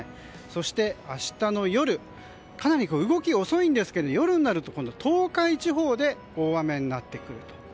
そして、明日の夜かなり動きは遅いんですが夜になると今度は東海地方で大雨になってくる。